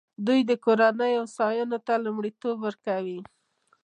دوی د کورنیو هوساینې ته لومړیتوب ورکوي.